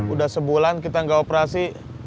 udah sebulan kita nggak operasi